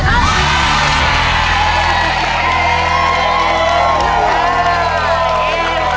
ว้าว